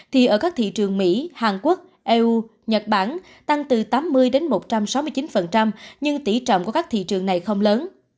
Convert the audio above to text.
thì ở các thị trường mỹ hàn quốc eu nhật bản tăng từ tám mươi đến một trăm sáu mươi chín nhưng tỷ trọng của các thị trường này không lớn